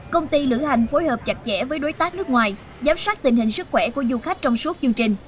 công ty lữ hành phối hợp chặt chẽ với đối tác nước ngoài giám sát tình hình sức khỏe của du khách trong suốt chương trình